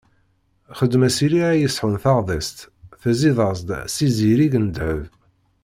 Xdem-as iri ara yesɛun tardest, tezziḍ- as-d s izirig n ddheb.